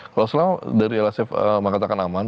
kalau selama dari lsf mengatakan aman